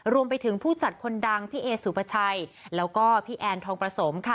รวมไปถึงผู้จัดคนดังพี่เอสุภาชัยแล้วก็พี่แอนทองประสมค่ะ